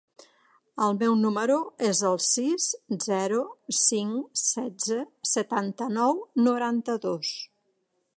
El meu número es el sis, zero, cinc, setze, setanta-nou, noranta-dos.